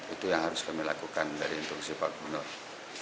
itu yang harus kami lakukan dari intuksi pak bimba